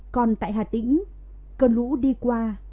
còn tại hà tĩnh cơn lũ đi qua